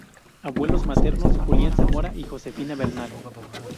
Abuelos maternos: Julián Zamora y Josefina Bernal.